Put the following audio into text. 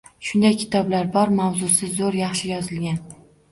Shunday kitoblar bor: mavzusi zo‘r, yaxshi yozilgan